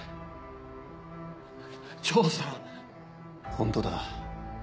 ホントだ。